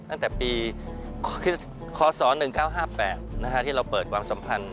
ตั้งแต่ปีคศ๑๙๕๘ที่เราเปิดความสัมพันธ์